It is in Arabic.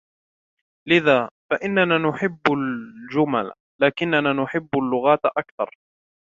لذا ، فإننا نحب الجمل. لكننا نحب اللغات أكثر.